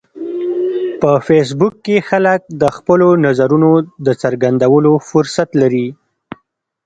په فېسبوک کې خلک د خپلو نظرونو د څرګندولو فرصت لري